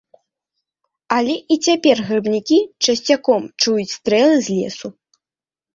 Але і цяпер грыбнікі часцяком чуюць стрэлы з лесу.